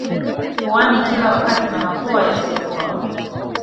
puani kila wakati na mafua yasiyo pona